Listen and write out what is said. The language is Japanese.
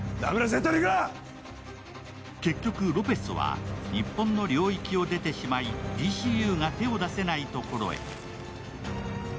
結局、ロペスは日本の領域を出てしまい、ＤＣＵが手を出せない所へ。